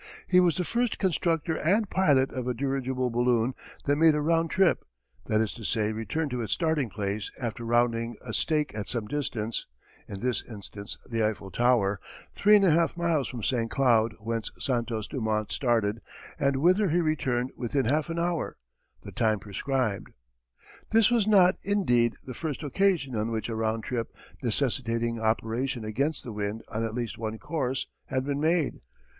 He was the first constructor and pilot of a dirigible balloon that made a round trip, that is to say returned to its starting place after rounding a stake at some distance in this instance the Eiffel Tower, 3 1/2 miles from St. Cloud whence Santos Dumont started and whither he returned within half an hour, the time prescribed. This was not, indeed, the first occasion on which a round trip, necessitating operation against the wind on at least one course, had been made.